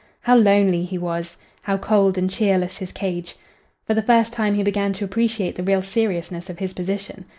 How lonely he was! how cold and cheerless his cage! For the first time he began to appreciate the real seriousness of his position.